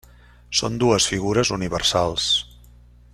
Són dues figures universals.